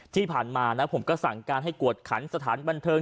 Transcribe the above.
ที่ผ่านมานะผมก็สั่งการให้กวดขันสถานบันเทิง